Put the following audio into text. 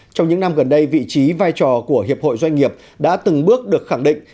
trong những năm gần đây vị trí vai trò của hiệp hội doanh nghiệp đã từng bước được khẳng định